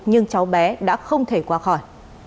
nhưng cháu bé đã không thể qua khỏi